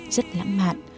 rất lãng mạn